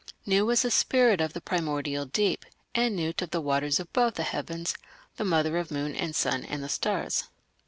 Nu was the spirit of the primordial deep, and Nut of the waters above the heavens, the mother of moon and sun and the stars.